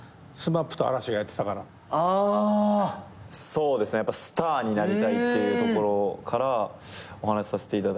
そうですねやっぱスターになりたいっていうところからお話しさせていただいて。